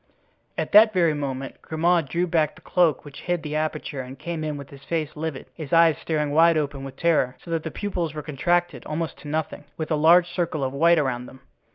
At that very moment Grimaud drew back the cloak which hid the aperture and came in with his face livid, his eyes staring wide open with terror, so that the pupils were contracted almost to nothing, with a large circle of white around them.